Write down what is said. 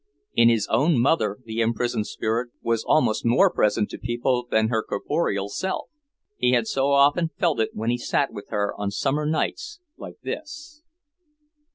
In his own mother the imprisoned spirit was almost more present to people than her corporeal self. He had so often felt it when he sat with her on summer nights like this.